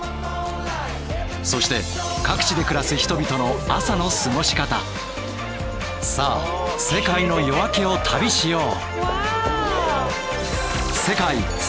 そして各地で暮らす人々のさあ世界の夜明けを旅しよう。